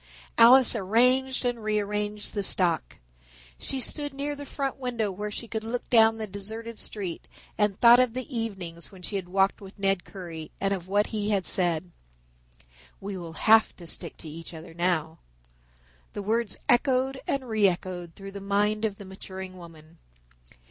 Alice arranged and rearranged the stock. She stood near the front window where she could look down the deserted street and thought of the evenings when she had walked with Ned Currie and of what he had said. "We will have to stick to each other now." The words echoed and re echoed through the mind of the maturing woman.